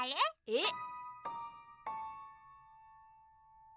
えっ？